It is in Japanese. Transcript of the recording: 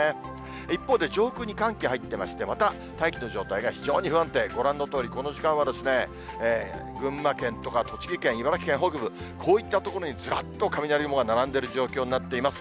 一方で、上空に寒気入ってきまして、また大気の状態が非常に不安定、ご覧のとおり、この時間は群馬県とか栃木県、茨城県北部、こういった所にずらっと雷雲が並んでる状況になっています。